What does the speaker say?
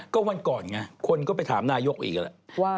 ก็วันก่อนไงคนก็ไปถามนายกอีกแล้ว